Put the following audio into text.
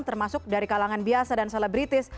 termasuk dari kalangan biasa dan selebritis